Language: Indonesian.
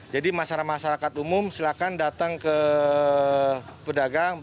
jadi masyarakat masyarakat umum silahkan datang ke pedagang